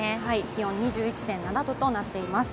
気温２１．７度となっています。